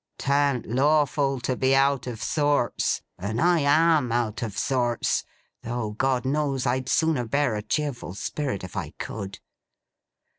'Tan't lawful to be out of sorts, and I AM out of sorts, though God knows I'd sooner bear a cheerful spirit if I could.